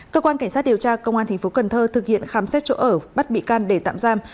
cơ quan cảnh sát điều tra công an tp cn thực hiện khám xét chỗ ở bắt bị can để tạm giam